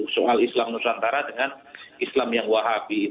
soal islam nusantara dengan islam yang wahabi